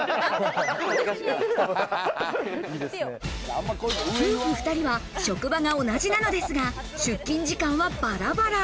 夫婦２人は職場が同じなのですが、出勤時間はバラバラ。